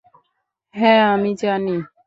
হ্যাঁ আমি জানি।